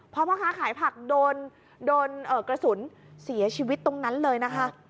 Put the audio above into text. พ่อพ่อค้าขายผักโดนกระสุนเสียชีวิตตรงนั้นเลยนะคะ